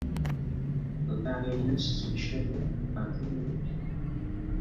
Ḍḍbiɛa-nnes tettemcabi ɣer tin-nnek.